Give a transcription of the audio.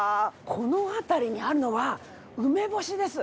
この辺りにあるのは梅干しです。